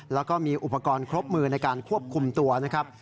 แล้วก็มีอุปกรณ์ครบมือในการควบคุมตัวนะครับ